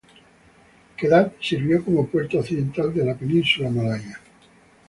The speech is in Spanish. Kedah sirvió como puerto occidental de la península malaya.